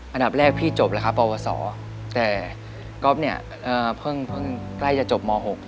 อันดับแรกพี่จบแล้วครับปวสอแต่ก๊อฟเนี่ยเพิ่งใกล้จะจบม๖